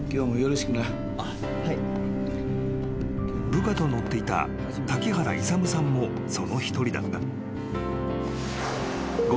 ［部下と乗っていた瀧原勇さんもその一人だった］